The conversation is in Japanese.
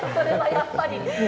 やっぱり。